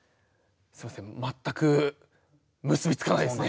すみません全く結び付かないですね。